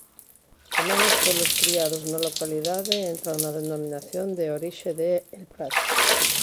Tamén os polos criados na localidade entran na denominación de orixe de El Prat.